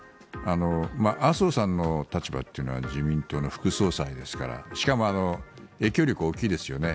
麻生さんの立場というのは自民党の副総裁ですからしかも、影響力が大きいですよね。